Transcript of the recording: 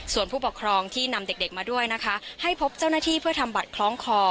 ส่วนผู้ปกครองที่นำเด็กมาด้วยนะคะให้พบเจ้าหน้าที่เพื่อทำบัตรคล้องคอ